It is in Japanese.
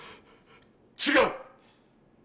違う！